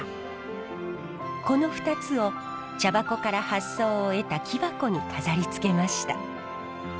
この２つを茶箱から発想を得た木箱に飾り付けました。